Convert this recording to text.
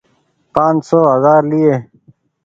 پآن سو هزآر ليئي۔